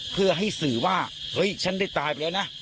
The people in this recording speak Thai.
เพื่อให้สื่อว่าเฮ้ยฉันได้ตายไปแล้วนะ